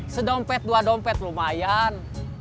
sedompet dua dompet lumayan